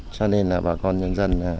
cho nên là bà con nhân dân